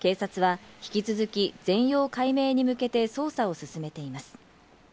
警察は引き続き、全容解明に向けて捜査を進めています。